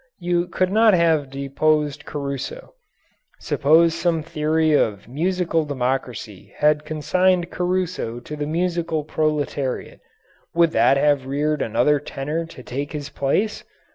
You could not have deposed Caruso. Suppose some theory of musical democracy had consigned Caruso to the musical proletariat. Would that have reared another tenor to take his place?